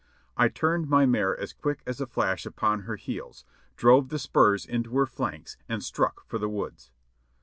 I turned my mare as quick as a flash upon her heels, drove the spurs into her flanks and struck for the woods.